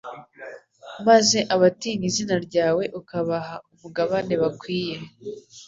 maze abatinya izina ryawe ukabaha umugabane bakwiye